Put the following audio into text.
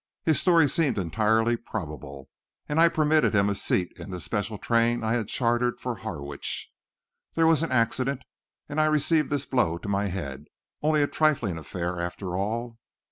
His story seemed entirely probable, and I permitted him a seat in the special train I had chartered for Harwich. There was an accident and I received this blow to my head only a trifling affair, after all.